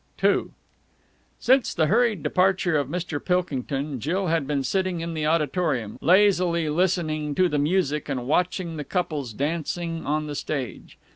II Since the hurried departure of Mr. Pilkington, Jill had been sitting in the auditorium, lazily listening to the music and watching the couples dancing on the stage.